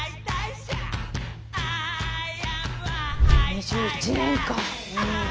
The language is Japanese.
２１年か。